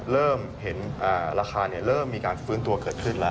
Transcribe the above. เริ่มเห็นราคาเริ่มมีการฟื้นตัวเกิดขึ้นแล้ว